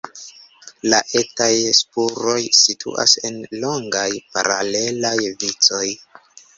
La etaj spuroj situas en longaj, paralelaj vicoj.